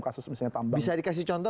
kasus misalnya bisa dikasih contoh